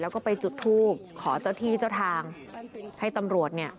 แล้วก็ไปจุดทูบขอเจ้าที่เจ้าทางให้ตำรวจเนี่ย